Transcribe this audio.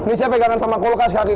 ini saya pegangan sama kulkas kaki